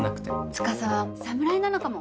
司は侍なのかも。